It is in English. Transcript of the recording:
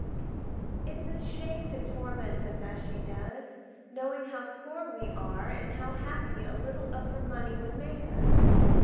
"It's a shame to torment us as she does, knowing how poor we are and how happy a little of her money would make us.